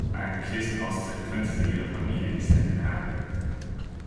Einen Kirchenaustritt könnte sie ihrer Familie nicht erklären.